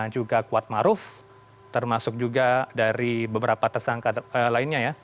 juga kuatmaruf termasuk juga dari beberapa tersangka lainnya ya